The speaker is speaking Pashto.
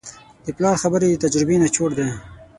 د پلار خبرې د تجربې نچوړ دی.